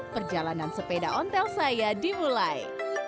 perjalanan sepeda ontel saya dimulai